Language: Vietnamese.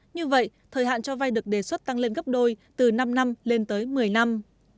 như vậy thời hạn cho vay được đề xuất tăng lên gấp đôi từ năm năm lên tới một mươi năm